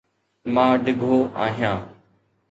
مان ڊگهو آهيان.